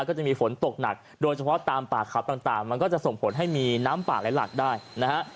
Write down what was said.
ก็จะมีฝนตกหนักโดยเฉพาะตามป่าเขาต่างมันก็จะส่งผลให้มีน้ำป่าไหลหลักได้นะฮะ